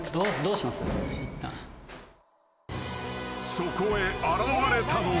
［そこへ現れたのは］